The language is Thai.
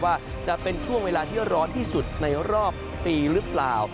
ว่าจะเป็นช่วงเวลาที่ร้อนที่สุดในรอบปีหรือเปล่า